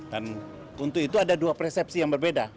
dan untuk itu ada dua persepsi yang berbeda